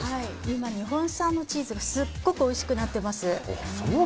今、日本産のチーズがすごくおいしくなってます。